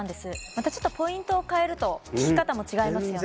またちょっとポイントを変えると効き方も違いますよね